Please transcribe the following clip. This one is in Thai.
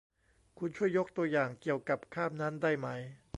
คุณช่วยยกตัวอย่างเกี่ยวกับคาบนั้นได้ไหม